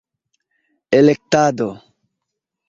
elektado